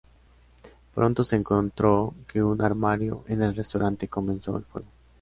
Pronto se encontró que un armario en el restaurante comenzó el fuego.